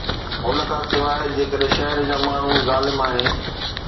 ان کان سواء، جيڪڏهن شهر جا ماڻهو ظالم آهن.